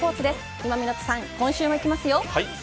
今湊さん、今週もいきますよ。